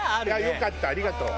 よかったありがとう。